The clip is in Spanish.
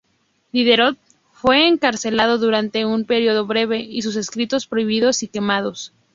Diderot fue encarcelado durante un periodo breve y sus escritos prohibidos y quemados.